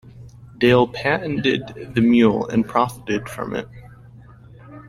Dale patented the mule and profited from it.